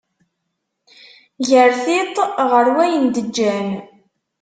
Ger tiṭ ɣer wayen d-ǧǧan